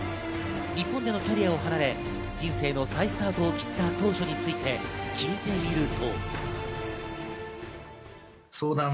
日本でのキャリアを重ね、再スタートを切った当初について聞いてみると。